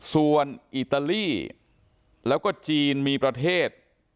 ส่วนอิตาลีแล้วก็จีนมีประเทศ